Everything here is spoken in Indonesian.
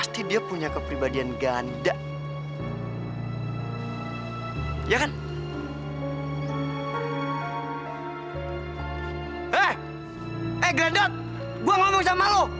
sampai jumpa di video selanjutnya